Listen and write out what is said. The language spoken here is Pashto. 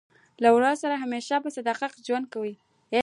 له ورور سره همېشه په صداقت ژوند کوئ!